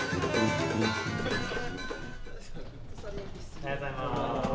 おはようございます。